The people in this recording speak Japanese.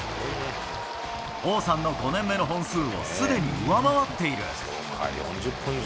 王さんの５年目の本数をすでに上回っている。